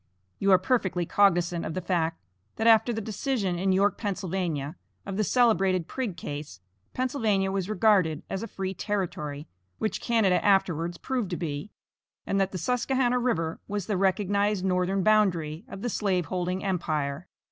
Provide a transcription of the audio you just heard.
You are perfectly cognizant of the fact, that after the decision in York, Pa., of the celebrated Prigg case, Pennsylvania was regarded as free territory, which Canada afterwards proved to be, and that the Susquehanna river was the recognized northern boundary of the slave holding empire.